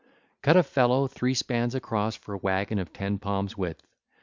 Cut a felloe three spans across for a waggon of ten palms' width.